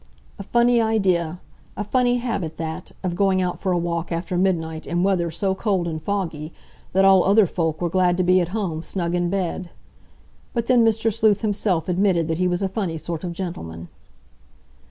A funny idea—a funny habit that, of going out for a walk after midnight in weather so cold and foggy that all other folk were glad to be at home, snug in bed. But then Mr. Sleuth himself admitted that he was a funny sort of gentleman.